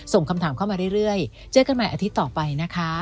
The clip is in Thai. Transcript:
ส่งคำถามเข้ามาเรื่อยเจอกันใหม่อาทิตย์ต่อไปนะคะ